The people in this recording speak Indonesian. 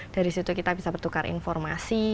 dari situ kita bisa bertukar informasi